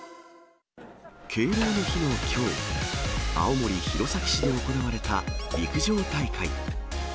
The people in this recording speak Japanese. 敬老の日のきょう、青森・弘前市で行われた陸上大会。